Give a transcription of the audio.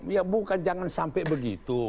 ya bukan jangan sampai begitu